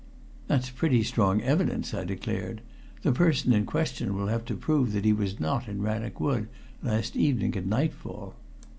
"That's pretty strong evidence," I declared. "The person in question will have to prove that he was not in Rannoch Wood last evening at nightfall."